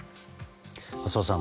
浅尾さん。